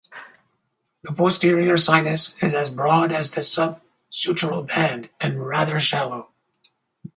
The posterior sinus is as broad as the subsutural band and rather shallow.